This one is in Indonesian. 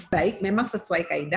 baik memang sesuai kaitannya